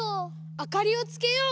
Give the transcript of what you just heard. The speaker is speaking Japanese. あかりをつけよう。